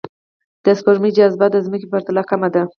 د سپوږمۍ جاذبه د ځمکې په پرتله کمه ده